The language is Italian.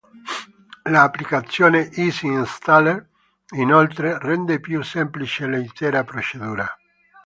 L'applicazione "Easy Installer", inoltre, rende più semplice l'intera procedura.